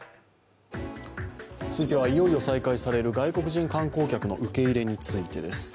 続いては、いよいよ再開される外国人観光客の受け入れについてです。